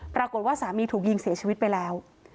ปรากฏว่าสามีถูกยิงเสียชีวิตไปแล้ว